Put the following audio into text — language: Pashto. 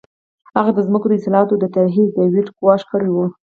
هغه د ځمکو د اصلاحاتو د طرحې د ویټو ګواښ کړی و